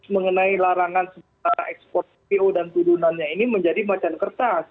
mengenai larangan sebuah ekspor tbs dan tudunannya ini menjadi macan kertas